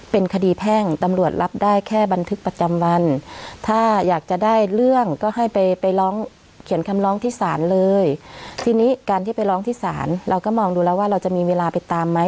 เปลี่ยนคำร้องที่ศาลเลยทีนี้การที่ไปร้องที่ศาลเราก็มองดูแล้วว่าเราจะมีเวลาไปตามไหม